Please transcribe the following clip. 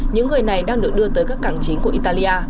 những người này đang được đưa tới các cảng chính của italia